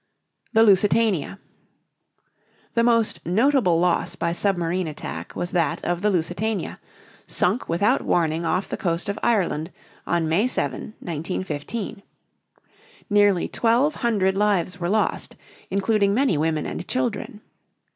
THE LUSITANIA. The most notable loss by submarine attack was that of the "Lusitania," sunk without warning off the coast of Ireland on May 7, 1915. Nearly twelve hundred lives were lost, including many women and children.